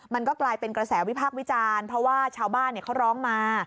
มันก็กลายเป็นกระแสวิพากษ์วิจารณ์เพราะว่าชาวบ้านเขาร้องมา